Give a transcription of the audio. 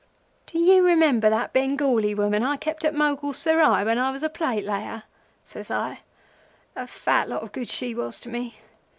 "'Do you remember that Bengali woman I kept at Mogul Serai when I was plate layer?' says I. 'A fat lot o' good she was to me.